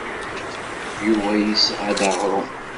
Yuba yesɣa-d aɣrum.